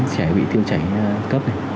trẻ bị tiêu chảy cấp